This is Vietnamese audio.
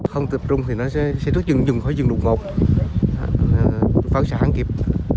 không tập trung thì nó sẽ dùng khói dừng đụng ngột phá sản kịp